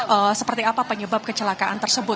untuk mengetahui apa seperti apa penyebab kecelakaan tersebut